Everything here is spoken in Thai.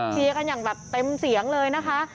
เชียร์กันอย่างแบบเต็มเสียงเลยนะคะ